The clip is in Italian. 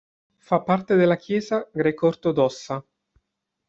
Fa parte della Chiesa greco-ortodossa.